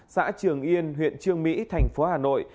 xã trường yên huyện trương mỹ thành phố hà nội